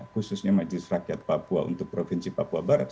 khususnya majelis rakyat papua untuk provinsi papua barat